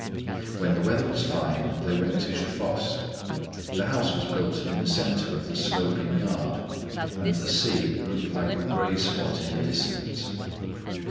When the weather was fine, they went to Geffosses. The house was built in the centre of the sloping yard; and the sea looked like a grey spot in the distance.